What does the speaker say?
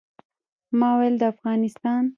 ما ویل د افغانستان.